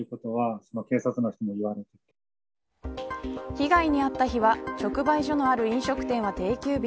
被害に遭った日は直売所のある飲食店は定休日。